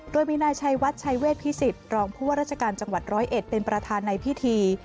โดยมีนายชัยวัดชัยเวทพิสิทธิ์รองผู้ว่าราชการจังหวัดร้อยเอ็ดเป็นประธานในพิธี